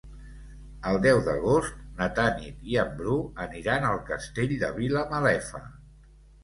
El deu d'agost na Tanit i en Bru aniran al Castell de Vilamalefa.